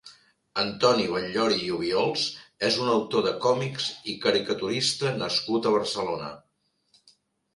Antoni Batllori i Obiols és un autor de còmics i caricaturista nascut a Barcelona.